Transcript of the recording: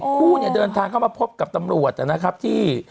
คู่เนี่ยเดินทางเข้ามาพบกับตำรวจนะครับที่